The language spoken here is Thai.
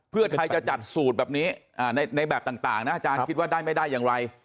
เพื่อไทยจะจัดสูตรแบบนี้ในแบบต่างนะอาจารย์คิดว่าได้ไม่ได้อย่างไร